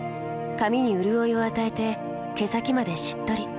髪にうるおいを与えて毛先までしっとり。